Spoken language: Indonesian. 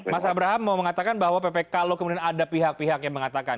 mas abraham mau mengatakan bahwa kalau kemudian ada pihak pihak yang mengatakan